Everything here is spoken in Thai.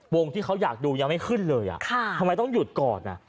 ที่เขาอยากดูยังไม่ขึ้นเลยทำไมต้องหยุดก่อน